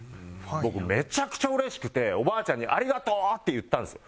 僕めちゃくちゃうれしくておばあちゃんに「ありがとう」って言ったんですよ。